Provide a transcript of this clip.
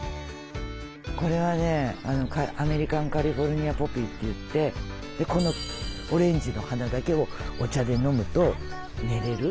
これはねアメリカンカリフォルニアポピーっていってこのオレンジの花だけをお茶で飲むと寝れる。